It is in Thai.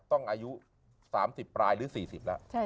ต้องอายุ๓๐ปลายหรือ๔๐ปลาย